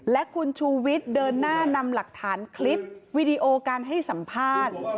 และคุณชูวิทย์เดินหน้านำหลักฐานคลิปวิดีโอการให้สัมภาษณ์